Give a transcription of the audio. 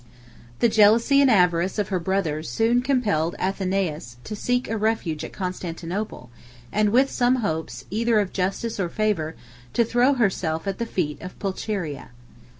The jealousy and avarice of her brothers soon compelled Athenais to seek a refuge at Constantinople; and, with some hopes, either of justice or favor, to throw herself at the feet of Pulcheria.